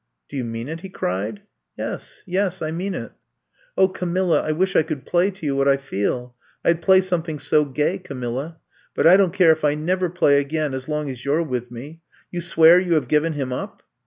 '*Do you mean it!" he cried. ^* Yes — yes, I mean it. ^'Oh, Camilla, I wish I could play to you what I feel 1 I 'd play something so gay, Camilla. But I don't care if I never play again, as long as you 're with me. You swear you have given him up!"